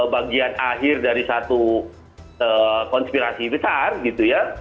bagian akhir dari satu konspirasi besar gitu ya